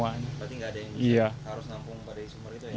berarti nggak ada yang harus nampung pada sumber itu ya